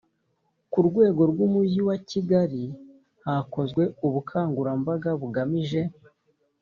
ku rwego rw umujyi wa kigali hakozwe ubukangurambaga bugamije